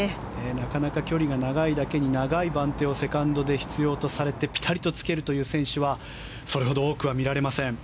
なかなか距離が長いだけに長い番手をセカンドで必要とされてぴたりとつけるという選手はそれほど多くは見られません。